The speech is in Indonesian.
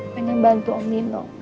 pengen bantu om nino